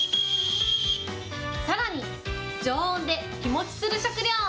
さらに、常温で日持ちする食料。